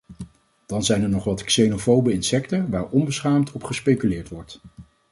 Dan zijn er nog wat xenofobe instincten waar onbeschaamd op gespeculeerd wordt.